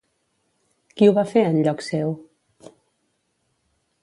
Qui ho va fer en lloc seu?